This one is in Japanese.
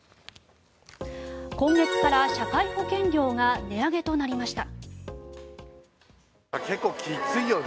今月から社会保険料が値上げとなりました。